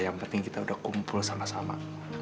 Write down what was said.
yang penting kita sudah kumpul sama sama